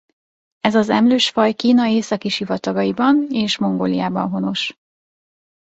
Ez az emlősfaj Kína északi sivatagaiban és Mongóliában honos.